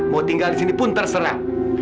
mau tinggal disini pun terserah